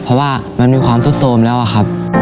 เพราะว่ามันมีความสุดโทรมแล้วอะครับ